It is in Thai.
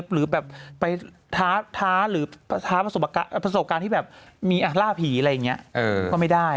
หรือไปท้าประสบการณ์ที่แบบมีอัฐราพีอะไรอย่างนี้ก็ไม่ได้